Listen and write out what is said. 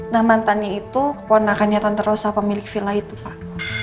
nah mantannya itu keponakannya tante rosa pemilik villa itu pak